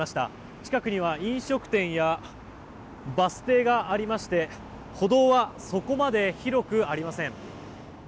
近くには飲食店やバス停がありまして歩道はそこまで広くありません。